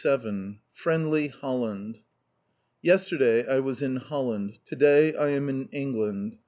] CHAPTER XLVII FRIENDLY HOLLAND Yesterday I was in Holland. To day I am in England.